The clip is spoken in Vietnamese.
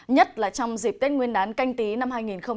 nhất là trong dịp tết nguyên đán canh tí năm hai nghìn hai mươi